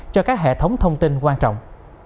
cho các hệ thống thông tin quan trọng